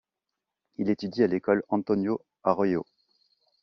Il étudie à l'école Antonio Arroio.